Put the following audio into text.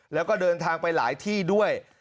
แล้วก็เดินทางไปหลายที่ด้วย